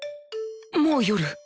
もう夜